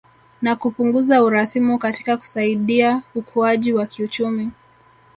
Na kupunguza urasimu katika kusaidia ukuaji wa kiuchumi